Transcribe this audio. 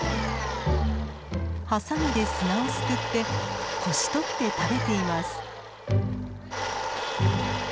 ハサミで砂をすくってこし取って食べています。